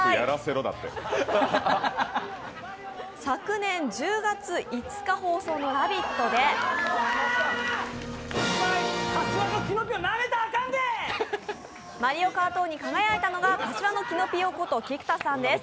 昨年１０月５日放送の「ラヴィット！」でマリオカート王に輝いたのは柏のキノピオこと菊田さんです。